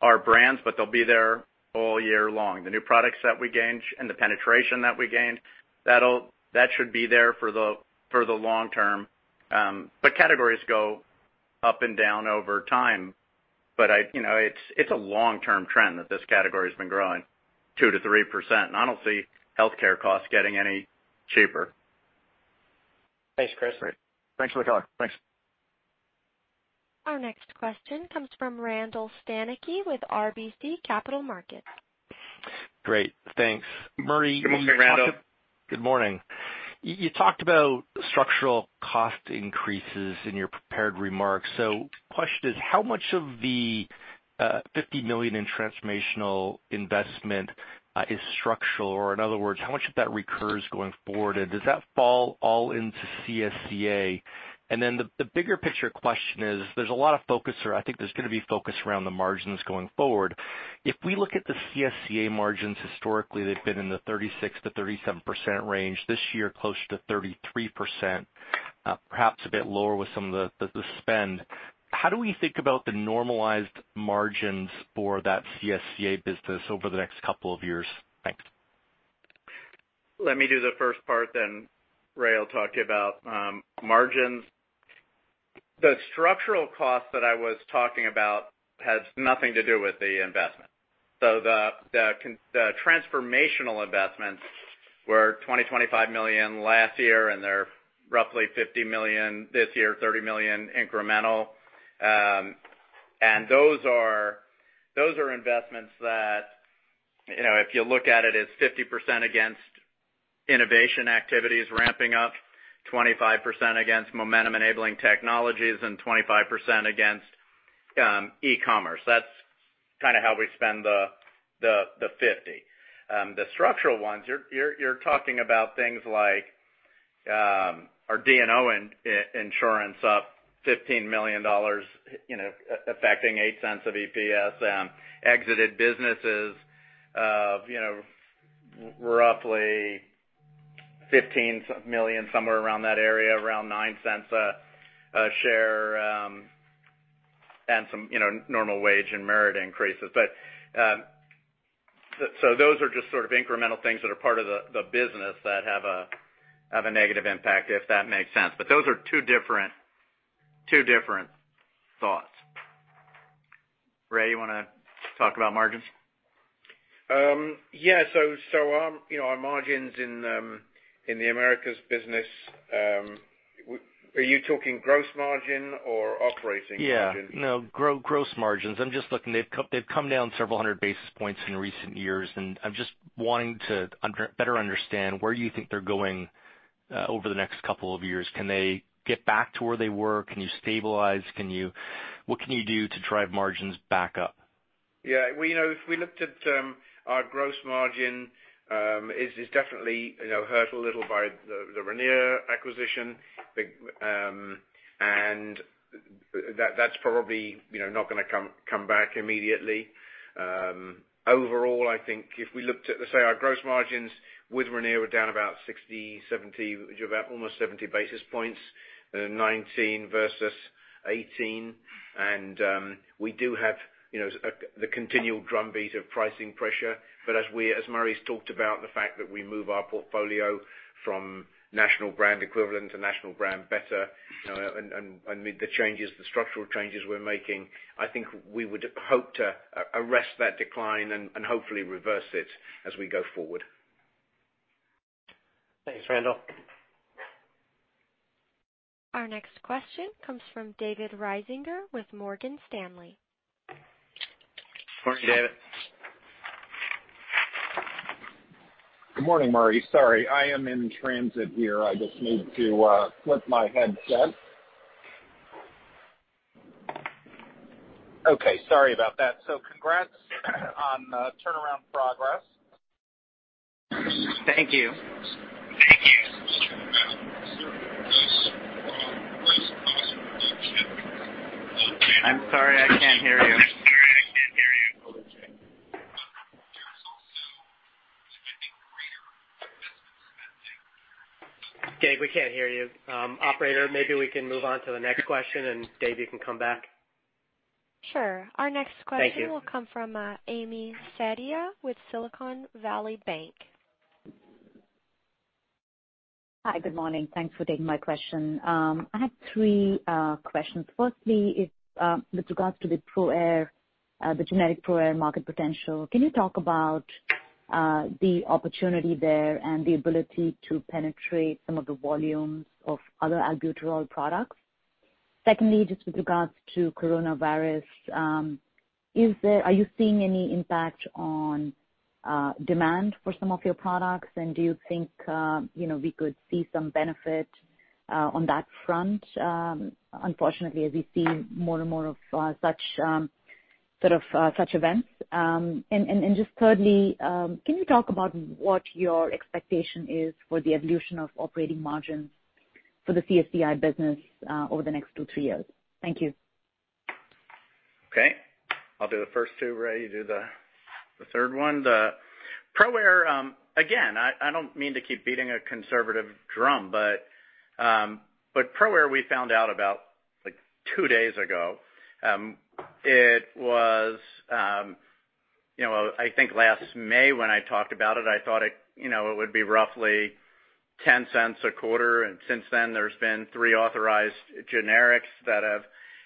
our brands, but they'll be there all year long. The new products that we gained and the penetration that we gained, that should be there for the long term. Categories go up and down over time. It's a long-term trend that this category's been growing 2%-3%, and I don't see healthcare costs getting any cheaper. Thanks, Chris. Great. Thanks for the color. Thanks. Our next question comes from Randall Stanicky with RBC Capital Markets. Great. Thanks. Murray, Good morning, Randall. Good morning. You talked about structural cost increases in your prepared remarks. Question is, how much of the $50 million in transformational investment is structural, or in other words, how much of that recurs going forward, and does that fall all into CSCA? The bigger picture question is, there's a lot of focus, or I think there's going to be focus around the margins going forward. If we look at the CSCA margins, historically, they've been in the 36%-37% range. This year, closer to 33%, perhaps a bit lower with some of the spend. How do we think about the normalized margins for that CSCA business over the next couple of years? Thanks. Let me do the first part, then Ray will talk to you about margins. The structural cost that I was talking about has nothing to do with the investment. The transformational investments were $20 million, $25 million last year, and they're roughly $50 million this year, $30 million incremental. Those are investments that, if you look at it's 50% against innovation activities ramping up, 25% against momentum-enabling technologies, and 25% against e-commerce. That's kind of how we spend the 50%. The structural ones, you're talking about things like our D&O insurance up $15 million, affecting $0.08 of EPS. Exited businesses of roughly $15 million, somewhere around that area, around $0.09 a share, and some normal wage and merit increases. Those are just sort of incremental things that are part of the business that have a negative impact, if that makes sense. Those are two different thoughts. Ray, you want to talk about margins? Yeah. Our margins in the Americas business, are you talking gross margin or operating margin? Yeah. No, gross margins. I'm just looking. They've come down several hundred basis points in recent years, and I'm just wanting to better understand where you think they're going over the next couple of years. Can they get back to where they were? Can you stabilize? What can you do to drive margins back up? Yeah. If we looked at our gross margin, it's definitely hurt a little by the Ranir acquisition. That's probably not going to come back immediately. Overall, I think if we looked at, let's say our gross margins with Ranir, we're down about 60, 70, about almost 70 basis points, 2019 versus 2018. As Murray's talked about, the fact that we move our portfolio from national brand equivalent to national brand better and amid the structural changes we're making, I think we would hope to arrest that decline and hopefully reverse it as we go forward. Thanks, Randall. Our next question comes from David Risinger with Morgan Stanley. Morning, David. Good morning, Murray. Sorry, I am in transit here. I just need to flip my headset. Okay, sorry about that. Congrats on the turnaround progress. Thank you. Talking about gross margin expansion on I'm sorry, I can't hear you. I'm sorry, I can't hear you. There is also, I think, greater investment. Dave, we can't hear you. Operator, maybe we can move on to the next question. Dave, you can come back. Sure. Our next question. Thank you. will come from Ami Fadia with Silicon Valley Bank. Hi. Good morning. Thanks for taking my question. I have three questions. Firstly is, with regards to the ProAir, the generic ProAir market potential, can you talk about the opportunity there and the ability to penetrate some of the volumes of other albuterol products? Secondly, just with regards to coronavirus, are you seeing any impact on demand for some of your products? Do you think we could see some benefit on that front, unfortunately, as we see more and more of such events? Just thirdly, can you talk about what your expectation is for the evolution of operating margins for the CSCI business over the next two, three years? Thank you. Okay. I'll do the first two, Ray, you do the third one. The ProAir, again, I don't mean to keep beating a conservative drum. ProAir, we found out about two days ago. I think last May when I talked about it, I thought it would be roughly $0.10 a quarter. Since then, there's been three authorized generics that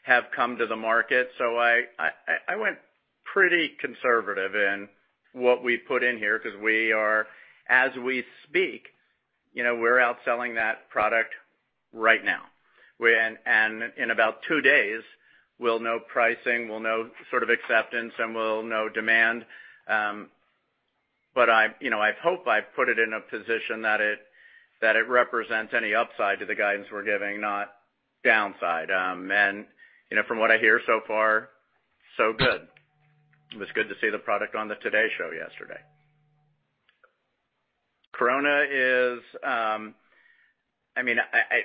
have come to the market. I went pretty conservative in what we put in here because as we speak, we're out selling that product right now. In about two days, we'll know pricing, we'll know acceptance, and we'll know demand. I hope I've put it in a position that it represents any upside to the guidance we're giving, not downside. From what I hear, so far, so good. It was good to see the product on "The Today Show" yesterday. I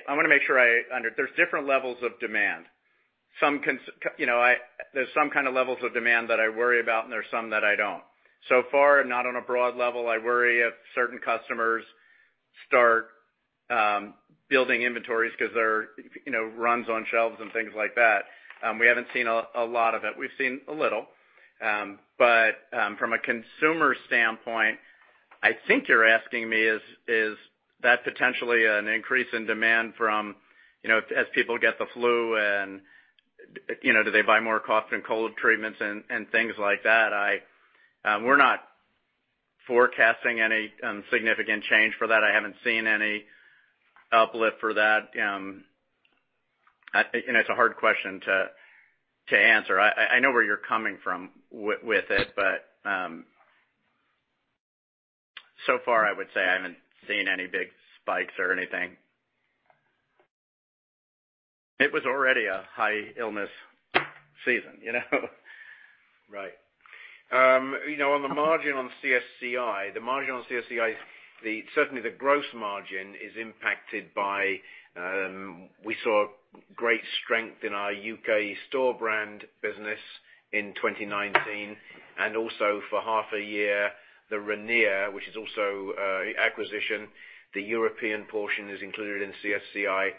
want to make sure I understand. There's different levels of demand. There's some kind of levels of demand that I worry about, and there's some that I don't. Far, not on a broad level, I worry if certain customers start building inventories because they're runs on shelves and things like that. We haven't seen a lot of it. We've seen a little. From a consumer standpoint, I think you're asking me is that potentially an increase in demand from, as people get the flu, do they buy more cough and cold treatments and things like that? We're not forecasting any significant change for that. I haven't seen any uplift for that. It's a hard question to answer. I know where you're coming from with it, but so far, I would say I haven't seen any big spikes or anything. It was already a high illness season. Right. On the margin on CSCI, certainly the gross margin is impacted by, We saw great strength in our U.K. store brand business in 2019, and also for half a year, the Ranir, which is also acquisition. The European portion is included in CSCI,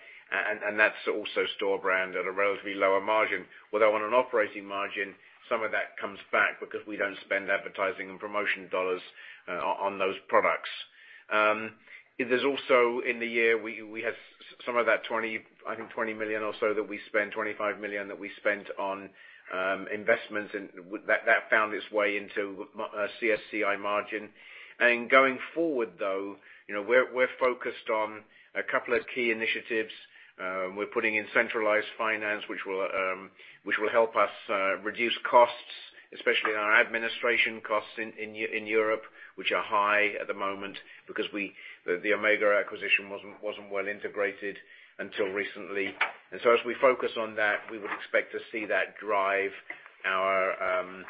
and that's also store brand at a relatively lower margin. Although on an operating margin, some of that comes back because we don't spend advertising and promotion dollars on those products. There's also in the year, we have some of that $20 million or so that we spent, $25 million that we spent on investments, and that found its way into CSCI margin. Going forward, though, we're focused on a couple of key initiatives. We're putting in centralized finance, which will help us reduce costs, especially on our administration costs in Europe, which are high at the moment because the Omega acquisition wasn't well integrated until recently. As we focus on that, we would expect to see that drive our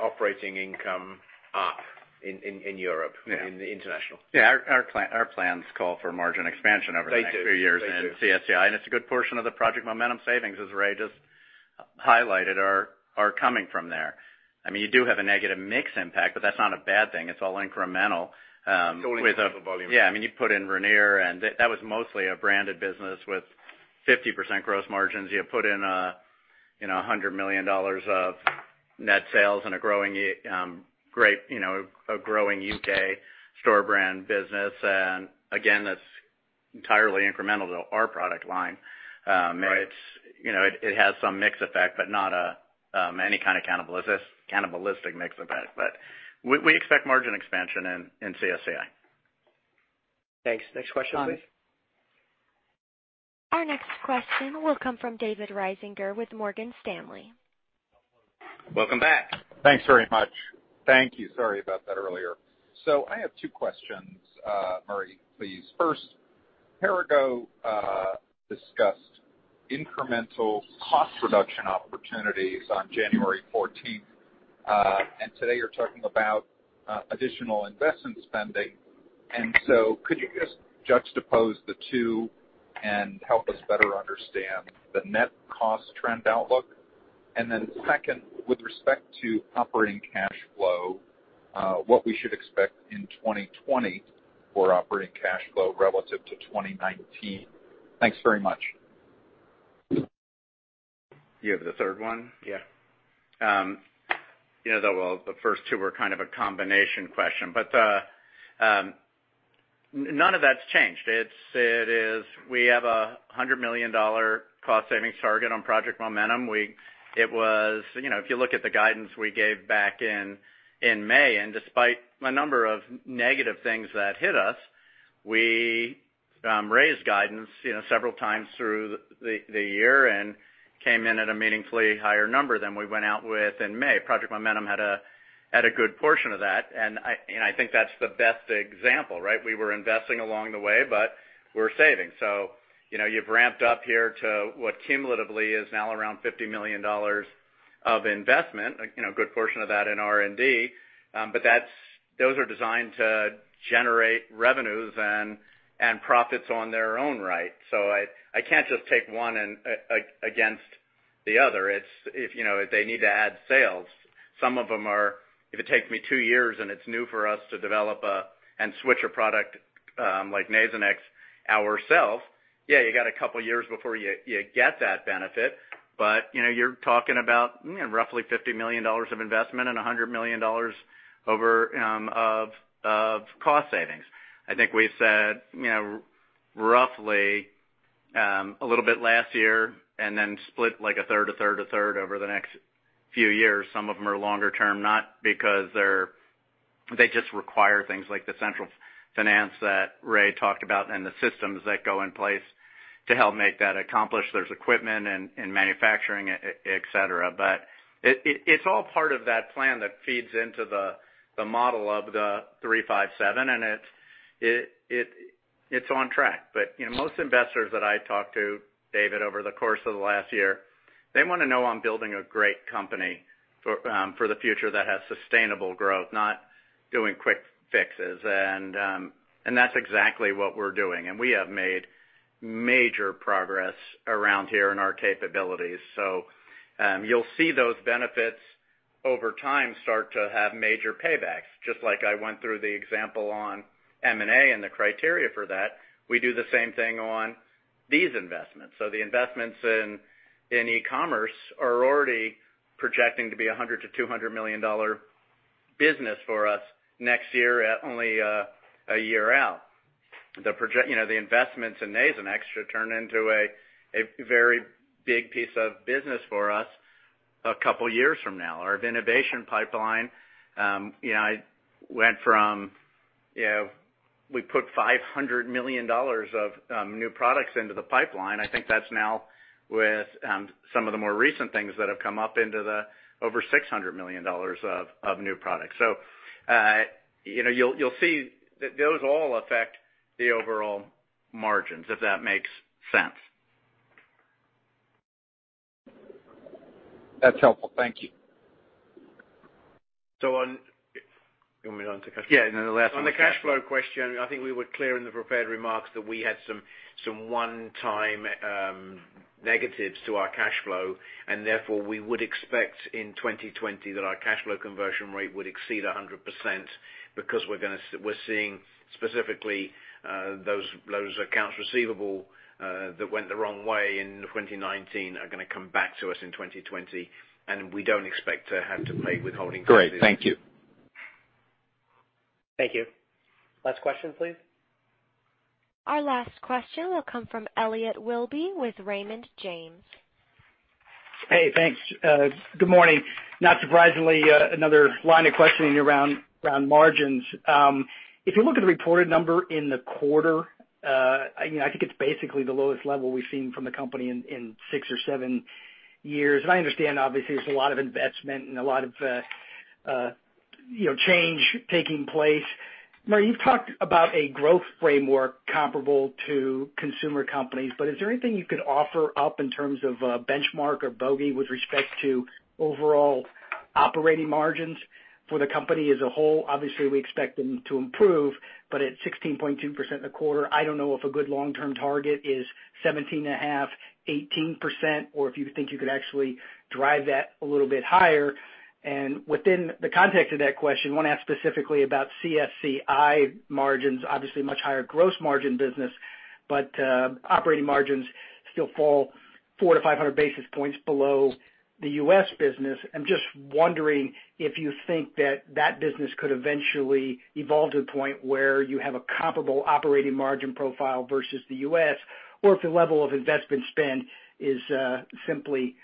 operating income up in Europe. Yeah in the international. Yeah, our plans call for margin expansion over the next few years. They do. in CSCI, and it's a good portion of the Project Momentum savings, as Ray just highlighted, are coming from there. You do have a negative mix impact, but that's not a bad thing. It's all incremental. Totally incremental volume. Yeah. You put in Ranir, and that was mostly a branded business with 50% gross margins. You put in $100 million of net sales in a growing U.K. store brand business. Again, that's entirely incremental to our product line. Right. It has some mix effect, but not any kind of cannibalistic mix effect. We expect margin expansion in CSCI. Thanks. Next question, please. Our next question will come from David Risinger with Morgan Stanley. Welcome back. Thanks very much. Thank you. Sorry about that earlier. I have two questions, Murray, please. First, Perrigo discussed incremental cost reduction opportunities on January 14th. Today you're talking about additional investment spending. Could you just juxtapose the two and help us better understand the net cost trend outlook? Second, with respect to operating cash flow, what we should expect in 2020 for operating cash flow relative to 2019. Thanks very much. You have the third one? Yeah. The first two were kind of a combination question, but none of that's changed. We have a $100 million cost savings target on Project Momentum. If you look at the guidance we gave back in May, and despite a number of negative things that hit us, we raised guidance several times through the year and came in at a meaningfully higher number than we went out with in May. Project Momentum had a good portion of that, and I think that's the best example, right? We were investing along the way, but we're saving. You've ramped up here to what cumulatively is now around $50 million of investment, a good portion of that in R&D, but Those are designed to generate revenues and profits on their own right. I can't just take one against the other. If they need to add sales, some of them are, if it takes me two years and it's new for us to develop and switch a product like Nasonex ourself, yeah, you got a couple of years before you get that benefit. You're talking about roughly $50 million of investment and $100 million of cost savings. I think we said roughly a little bit last year and then split like a third, a third, a third over the next few years. Some of them are longer-term, not because they just require things like the central finance that Ray talked about and the systems that go in place to help make that accomplished. There's equipment and manufacturing, et cetera. It's all part of that plan that feeds into the model of the 357, and it's on track. Most investors that I talk to, David, over the course of the last year, they want to know I'm building a great company for the future that has sustainable growth, not doing quick fixes. That's exactly what we're doing. We have made major progress around here in our capabilities. You'll see those benefits over time start to have major paybacks. Just like I went through the example on M&A and the criteria for that, we do the same thing on these investments. The investments in e-commerce are already projecting to be a $100 million-$200 million business for us next year at only a year out. The investments in Nasonex should turn into a very big piece of business for us a couple of years from now. We put $500 million of new products into the pipeline. I think that's now with some of the more recent things that have come up into the over $600 million of new products. You'll see that those all affect the overall margins, if that makes sense. That's helpful. Thank you. You want me to answer? Yeah, the last one. On the cash flow question, I think we were clear in the prepared remarks that we had some one-time negatives to our cash flow. Therefore, we would expect in 2020 that our cash flow conversion rate would exceed 100%, because we're seeing specifically those accounts receivable that went the wrong way in 2019 are going to come back to us in 2020. We don't expect to have to pay withholding taxes. Great. Thank you. Thank you. Last question, please. Our last question will come from Elliot Wilbur with Raymond James. Hey, thanks. Good morning. Not surprisingly, another line of questioning around margins. If you look at the reported number in the quarter, I think it's basically the lowest level we've seen from the company in six or seven years. I understand, obviously, there's a lot of investment and a lot of change taking place. You've talked about a growth framework comparable to consumer companies, is there anything you could offer up in terms of benchmark or bogey with respect to overall operating margins for the company as a whole? Obviously, we expect them to improve, at 16.2% in the quarter, I don't know if a good long-term target is 17.5%, 18%, or if you think you could actually drive that a little bit higher. Within the context of that question, I want to ask specifically about CSCI margins. Obviously, much higher gross margin business, but operating margins still fall 400 to 500 basis points below the U.S. business. I'm just wondering if you think that that business could eventually evolve to a point where you have a comparable operating margin profile versus the U.S., or if the level of investment spend is simply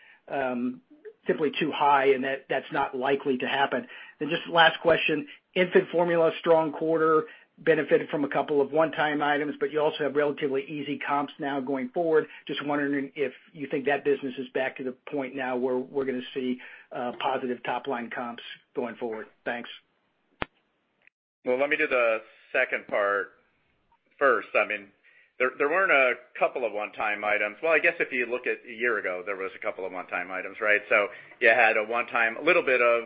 too high and that's not likely to happen. Just last question, infant formula, strong quarter, benefited from a couple of one-time items, but you also have relatively easy comps now going forward. Just wondering if you think that business is back to the point now where we're going to see positive top-line comps going forward. Thanks. Well, let me do the second part first. There weren't a couple of one-time items. Well, I guess if you look at a year ago, there was a couple of one-time items, right? You had a one-time, a little bit of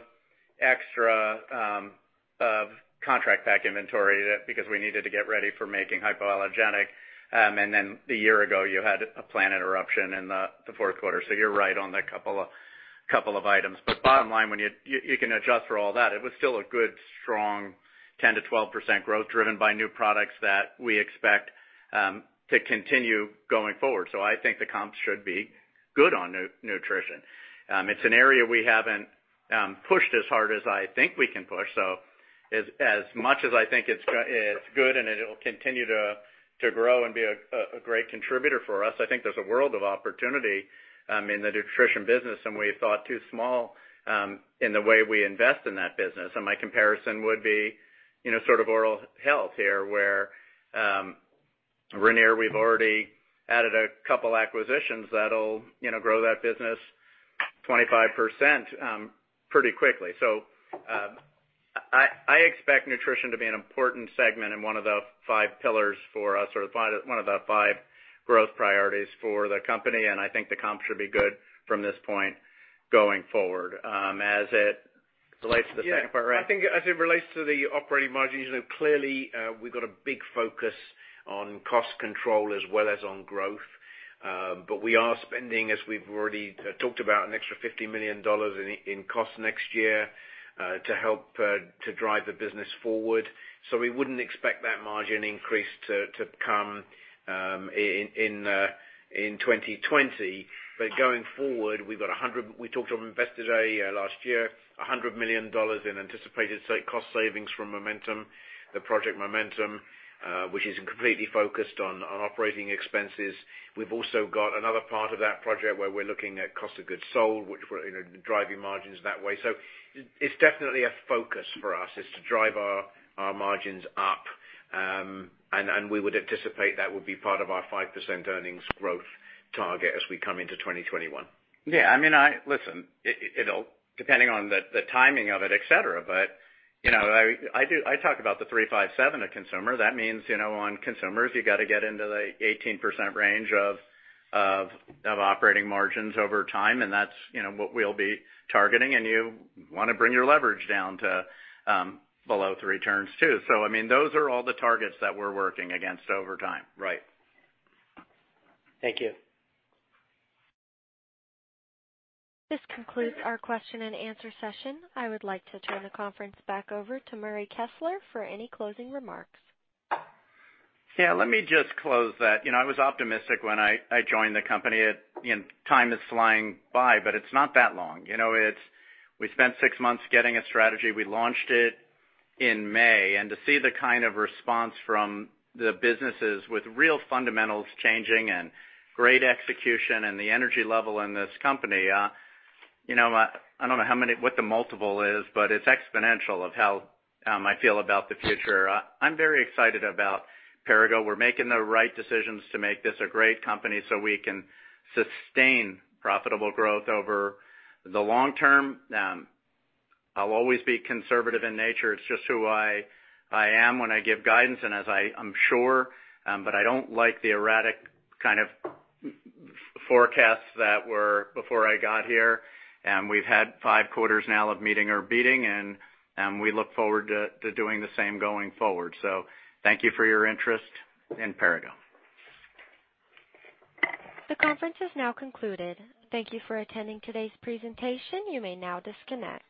extra contract pack inventory because we needed to get ready for making hypoallergenic. A year ago, you had a plant eruption in the fourth quarter. You're right on the couple of items. Bottom line, when you can adjust for all that, it was still a good, strong 10%-12% growth driven by new products that we expect to continue going forward. I think the comps should be good on nutrition. It's an area we haven't pushed as hard as I think we can push. As much as I think it's good and it'll continue to grow and be a great contributor for us, I think there's a world of opportunity in the nutrition business, and we thought too small in the way we invest in that business. My comparison would be sort of oral health here, where Ranir, we've already added a couple acquisitions that'll grow that business 25% pretty quickly. I expect nutrition to be an important segment and one of the five pillars for us, or one of the five growth priorities for the company, and I think the comps should be good from this point going forward. As it relates to the second part, right? I think as it relates to the operating margins, clearly, we've got a big focus on cost control as well as on growth. We are spending, as we've already talked about, an extra $50 million in cost next year to help to drive the business forward. We wouldn't expect that margin increase to come in 2020. Going forward, we talked to investors last year, $100 million in anticipated cost savings from the Project Momentum, which is completely focused on operating expenses. We've also got another part of that project where we're looking at cost of goods sold, which we're driving margins that way. It's definitely a focus for us, is to drive our margins up. We would anticipate that would be part of our 5% earnings growth target as we come into 2021. Listen, depending on the timing of it, et cetera, but I talk about the 3-5-7 of consumer. That means on consumers, you got to get into the 18% range of operating margins over time, and that's what we'll be targeting. You want to bring your leverage down to below three turns, too. Those are all the targets that we're working against over time. Right. Thank you. This concludes our question and answer session. I would like to turn the conference back over to Murray Kessler for any closing remarks. Yeah. Let me just close that. I was optimistic when I joined the company. Time is flying by. It's not that long. We spent six months getting a strategy. We launched it in May. To see the kind of response from the businesses with real fundamentals changing and great execution and the energy level in this company, I don't know what the multiple is. It's exponential of how I feel about the future. I'm very excited about Perrigo. We're making the right decisions to make this a great company so we can sustain profitable growth over the long term. I'll always be conservative in nature. It's just who I am when I give guidance. As I'm sure, I don't like the erratic kind of forecasts that were before I got here. We've had five quarters now of meeting or beating, and we look forward to doing the same going forward. Thank you for your interest in Perrigo. The conference is now concluded. Thank you for attending today's presentation. You may now disconnect.